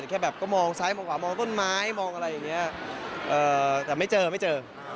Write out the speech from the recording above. แค่แบบก็มองซ้ายมองขวามองต้นไม้มองอะไรอย่างนี้แต่ไม่เจอไม่เจอ